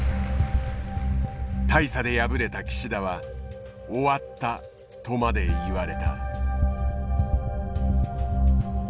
大差で敗れた岸田は終わったとまで言われた。